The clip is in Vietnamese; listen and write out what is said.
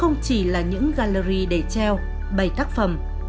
không chỉ là những gallery để treo bày tác phẩm